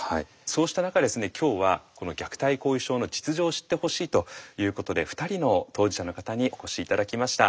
そうした中ですね今日はこの虐待後遺症の実情を知ってほしいということで２人の当事者の方にお越し頂きました。